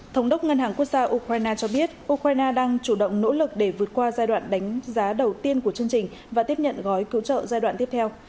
thống đốc ngân hàng quốc gia ukraine cho biết ukraine đang chủ động nỗ lực để vượt qua giai đoạn đánh giá đầu tiên của chương trình và tiếp nhận gói cứu trợ giai đoạn tiếp theo